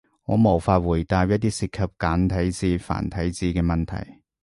我無法回答一啲涉及簡體字、繁體字嘅提問